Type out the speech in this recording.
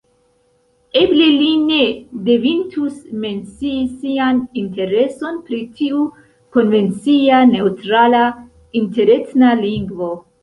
Eble li ne devintus mencii sian intereson pri tiu konvencia neŭtrala interetna lingvo.